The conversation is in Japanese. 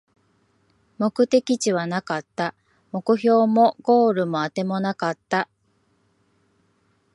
目的地はなかった、目標もゴールもあてもなかった